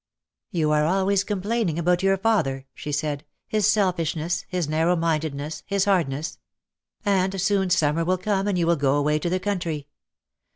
"You are always complaining about your father," she said, "his selfishness, his narrow mindedness, his hard ness. And soon summer will come and you will go away to the country.